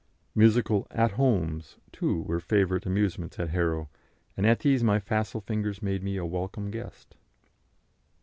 Musical "At Homes," too, were favourite amusements at Harrow, and at these my facile fingers made me a welcome guest.